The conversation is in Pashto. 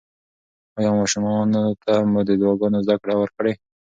ایا ماشومانو ته مو د دعاګانو زده کړه ورکړې؟